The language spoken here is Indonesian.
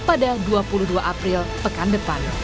pada dua puluh dua april pekan depan